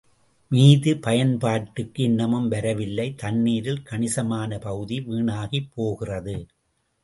மீதி, பயன்பாட்டுக்கு இன்னமும் வரவில்லை தண்ணீரில் கணிசமான பகுதி வீணாகிப் போகிறது.